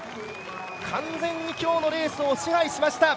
完全に今日のレースを支配しました。